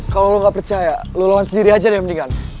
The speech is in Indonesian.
kalau lo gak percaya lo lawan sendiri aja deh yang mendingan